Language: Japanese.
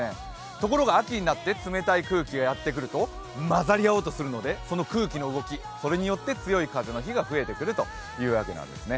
ところが、秋になって冷たい空気がやってくると、混ざり合おうとするので、その空気の動きによって強い風の日が増えてくるというわけなんですね。